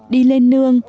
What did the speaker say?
đi lên nương